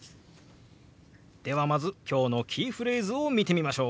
ではまず今日のキーフレーズを見てみましょう。